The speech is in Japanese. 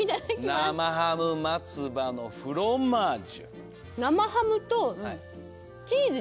生ハム松葉のフロマージュ。